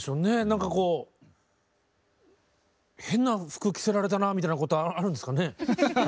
なんかこう変な服着せられたなみたいなことあるんですかね。